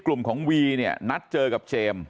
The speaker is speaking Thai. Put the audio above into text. กลุ่มของวีเนี่ยนัดเจอกับเจมส์